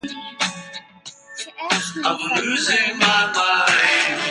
She asked me if I knew any.